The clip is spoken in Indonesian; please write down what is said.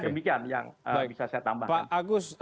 demikian yang bisa saya tambahkan pak agus